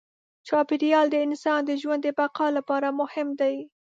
چاپېریال د انسان د ژوند د بقا لپاره مهم دی.